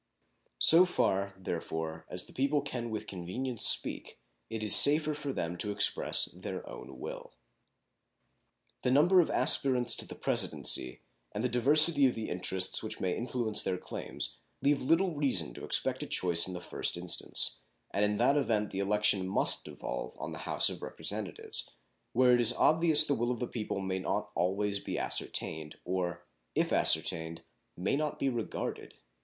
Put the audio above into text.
So far, therefore, as the people can with convenience speak, it is safer for them to express their own will. The number of aspirants to the Presidency and the diversity of the interests which may influence their claims leave little reason to expect a choice in the first instance, and in that event the election must devolve on the House of Representatives, where it is obvious the will of the people may not be always ascertained, or, if ascertained, may not be regarded.